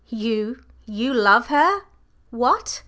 "You you love her! What!